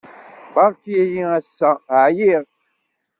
Beṛka-iyi ass-a. ɛyiɣ.